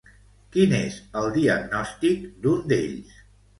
Quin és el diagnòstic d'un d'ells?